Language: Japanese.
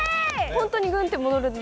本当にグンって戻るんで。